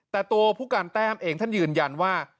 แต่ตัวผู้การแต้มเองท่านยืนยันว่า